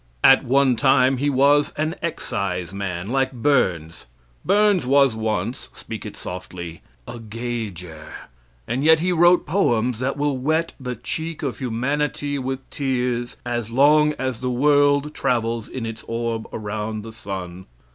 At one time he was an excise man, like Burns. Burns was once speak it softly a gauger and yet he wrote poems that will wet the cheek of humanity with tears as long as the world travels in its orb around the sun.